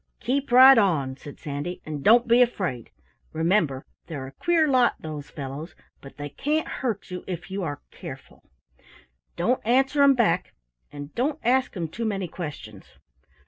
"Keep right on," said Sandy, "and don't be afraid. Remember they're a queer lot, those fellows, but they can't hurt you if you are careful. Don't answer 'em back and don't ask 'em too many questions.